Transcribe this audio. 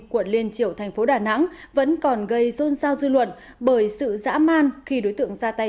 quận liên triệu thành phố đà nẵng vẫn còn gây rôn sao dư luận bởi sự dã man khi đối tượng ra tay